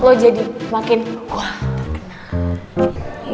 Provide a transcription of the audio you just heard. lo jadi makin wah